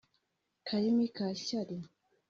Karimi ka shyari